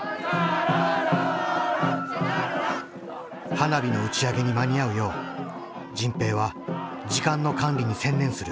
花火の打ち上げに間に合うよう迅平は時間の管理に専念する。